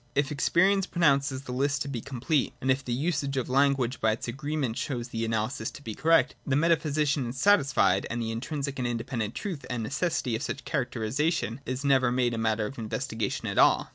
If experience pronounces the list to be complete, and if the usage of language, by its agreement, shows the analysis to be correct, the metaphysician is satisfied ; and the intrinsic and independent truth and necessity of such characteristics is never made a matter of inves tigation at all.